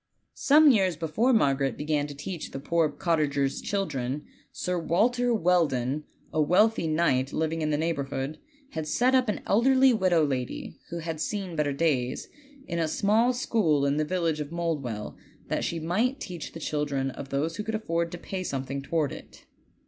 Some years before Margaret began to teach the poor cottagers' children Sir Walter Welldon, a wealthy knight living in the neighborhood, had set up an elderly widow lady, who had seen better days, in a small school in the village of MouldweJl, that she might teach the children of those who could afford to pay something toward it.